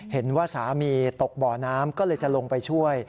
เห็นว่าสามีตกบ่อน้ำก็เลยจะลงไปช่วย